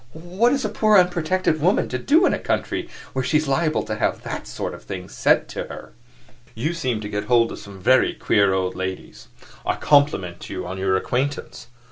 What is a poor unprotected American woman to do in a country where she is liable to have that sort of thing said to her?" "You seem to get hold of some very queer old ladies; I compliment you on your acquaintance!"